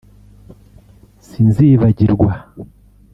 Sinzibagirwa